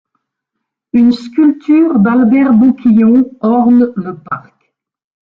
Une sculpture d'Albert Bouquillon orne le parc.